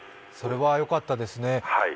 それはよかったですね。